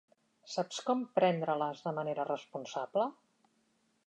Saps com prendre-les de manera responsable?